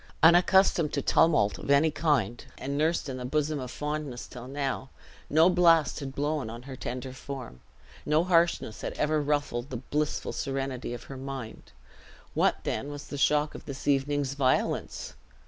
Unaccustomed to tumult of any king, and nursed in the bosom of fondness till now, no blast had blown on her tender form, no harshness had ever ruffled the blissful serenity of her mind. What then was the shock of this evening's violence!